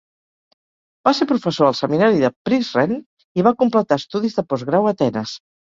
Va ser professor al seminari de Prizren, i va completar estudis de postgrau a Atenes.